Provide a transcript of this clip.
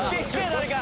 誰か！」